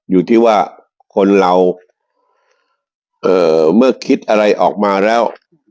อยู่ที่ว่าคนเราเมื่อคิดอะไรออกมาแล้ว